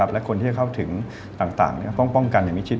และคนที่เข้าถึงต่างป้องกันไม่ชิด